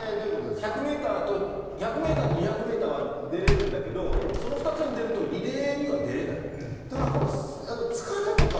１００ｍと２００ｍ、出られるんだけど、その２つに出るとリレーには出られない。